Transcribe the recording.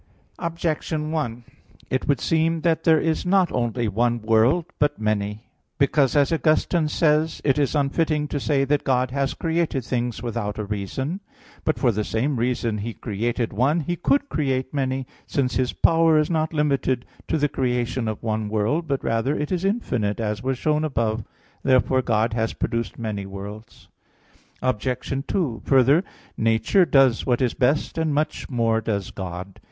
Objection 1: It would seem that there is not only one world, but many. Because, as Augustine says (QQ. 83, qu. 46), it is unfitting to say that God has created things without a reason. But for the same reason He created one, He could create many, since His power is not limited to the creation of one world; but rather it is infinite, as was shown above (Q. 25, A. 2). Therefore God has produced many worlds. Obj. 2: Further, nature does what is best and much more does God.